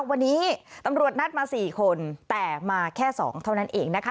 วันนี้ตำรวจนัดมา๔คนแต่มาแค่๒เท่านั้นเองนะคะ